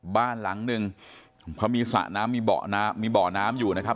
บ้านหลังนึงเขามีสระน้ำมีเบาะน้ำมีเบาะน้ำอยู่นะครับ